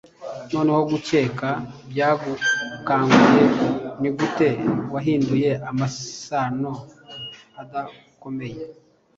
Noneho gukeka byagukanguye; Nigute wahinduye amasano adakomeye!